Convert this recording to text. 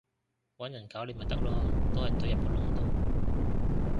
搵人搞你咪得囉，都係隊入個窿度